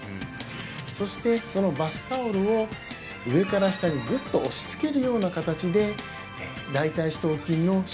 そしてそのバスタオルを上から下にグッと押しつけるような形で大腿四頭筋の収縮